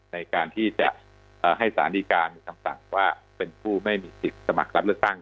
ในการที่จะให้สารดีการมีคำสั่งว่าเป็นผู้ไม่มีสิทธิ์สมัครรับเลือกตั้ง